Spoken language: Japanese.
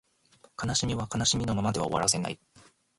悲しみは悲しみのままでは終わらせない